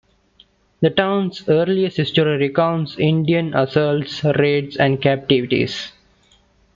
The town's earliest history recounts Indian assaults, raids and captivities.